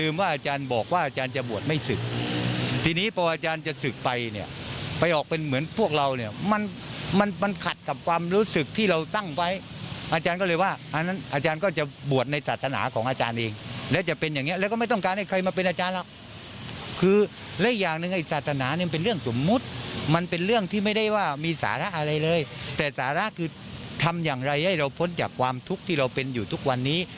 ไม่ได้ว่ามีสาระอะไรเลยแต่สาระคือทำอย่างไรให้เราพ้นจากความทุกข์ที่เราเป็นอยู่ทุกวันนี้